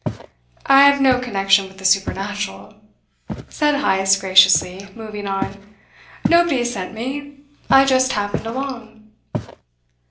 "I have no connection with the supernatural," said Heyst graciously, moving on. "Nobody has sent me. I just happened along."